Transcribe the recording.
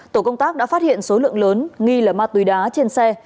tổ công tác đã phát hiện số lượng lớn nghi là ma túy đá trên xe